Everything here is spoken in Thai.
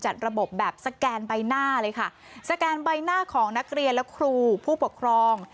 สแกนใบหน้าของนักเรียนและครูผู้ปกครอง